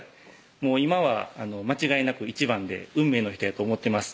もう今は間違いなく１番で運命の人やと思ってます